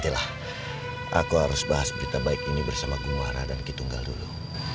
terus kita baik ini bersama gua hara dan ki tunggal dulu